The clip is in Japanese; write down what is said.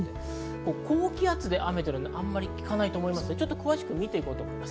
高気圧の雨っていうのはあまり聞かないと思いますので、詳しく見ていきます。